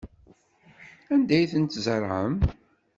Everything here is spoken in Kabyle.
Anda ay ten-tzerɛem?